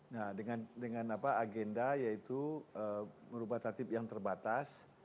nah dengan agenda yaitu merubah tatip yang terbatas